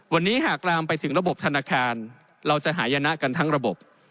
วันนี้หากลามไปถึงระบบธนาคารเราจะหายนะกันทั้งระบบ